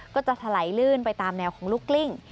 ก็จะถลายลื่นไปตามแนวของลูกกลิ้ง